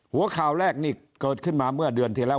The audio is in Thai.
หัวข่าวแรกนี่เกิดขึ้นมาเมื่อเดือนที่แล้ว